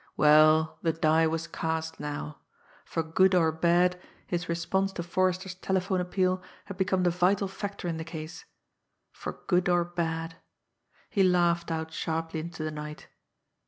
Well, the die was cast now! For good or bad, his response to Forrester's telephone appeal had become the vital factor in the case. For good or bad! He laughed out sharply into the night.